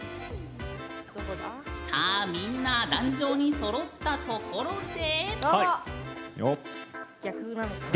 みんな、壇上にそろったところで。